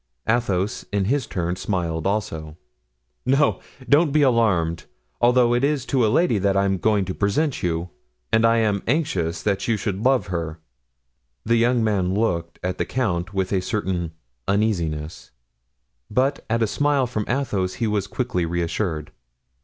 Athos, in his turn, smiled also. "No, don't be alarmed, although it is to a lady that I am going to present you, and I am anxious that you should love her——" The young man looked at the count with a certain uneasiness, but at a smile from Athos he was quickly reassured.